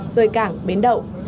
rơi cảng bến đậu